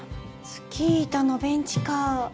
スキー板のベンチか。